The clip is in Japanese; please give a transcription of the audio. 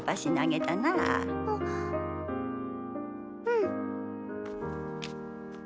うん。